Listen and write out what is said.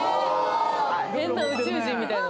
変な宇宙人みたいなの。